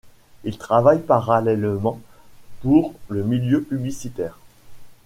Il travaille parallèlement pour le milieu publicitaire.